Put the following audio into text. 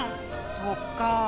そっか。